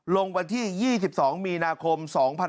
ลงวันที่๒๒มีนาคม๒๕๖๒